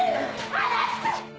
離して！